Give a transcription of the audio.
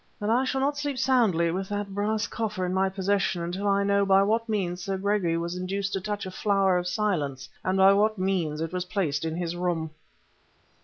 But I shall not sleep soundly with that brass coffer in my possession until I know by what means Sir Gregory was induced to touch a Flower of Silence, and by what means it was placed in his room!"